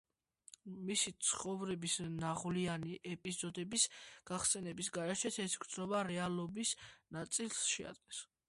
მისი ცხოვრების ნაღვლიანი ეპიზოდების გახსენების გარეშეც ეს გრძნობა რეალობის ნაწილს შეადგენს.